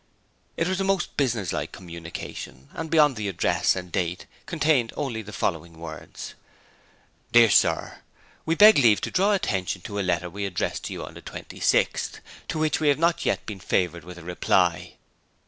It was a most business like communication, and beyond the address and date contained only the following words: 'DEAR SIR, We beg leave to draw your attention to a letter we addressed to you on the 26th ult., to which we have not yet been favoured with a reply.